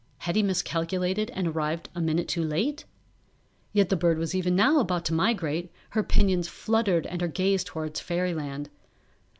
Had he miscalculated and arrived a minute too late? Yet the bird was even now about to migrate, her pinions fluttered and her gaze was toward Fairyland.